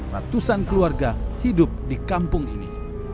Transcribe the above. ratusan keluarga hidup di kampung ini